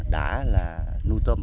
đã nuôi tôm